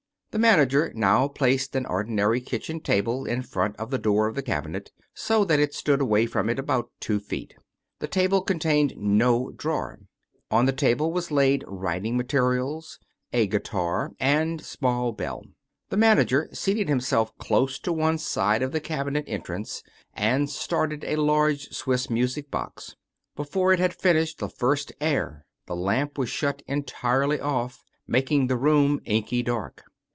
The manager now placed an ordinary kitchen table in front of the door of the cabinet, so that it stood away from it about two feet. The table contained no drawer. On the table was laid writing materials, a guitar, and small bell. The manager seated himself close to one side of the cabinet entrance, and started a large Swiss music box. Before it had finished the first air the lamp was shut entirely oflF, making the room inky dark.